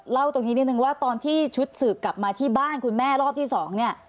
เล่าตรงนี้นิดนึงว่าตอนที่ชุดสืบกลับมาที่บ้านคุณแม่รอบที่สองเนี่ย